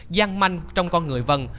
gian manh trong con người vân